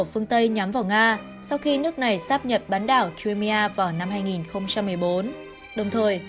phương tây nhắm vào nga sau khi nước này sắp nhập bán đảo kemia vào năm hai nghìn một mươi bốn đồng thời